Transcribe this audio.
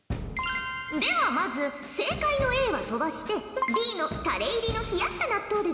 ではまず正解のＡは飛ばしてＤのタレ入りの冷やした納豆で挑戦じゃ。